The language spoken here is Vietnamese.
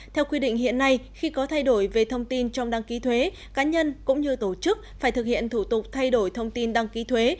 theo quy định hiện nay khi có thay đổi về thông tin trong đăng ký thuế cá nhân cũng như tổ chức phải thực hiện thủ tục thay đổi thông tin đăng ký thuế